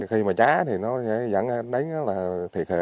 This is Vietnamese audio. khi mà cháy thì nó vẫn đánh là thiệt hại